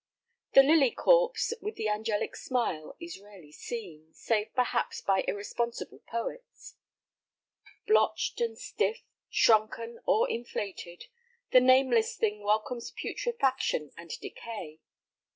The lily corpse with the angelic smile is rarely seen, save perhaps by irresponsible poets. Blotched and stiff, shrunken or inflated, the nameless thing welcomes putrefaction and decay.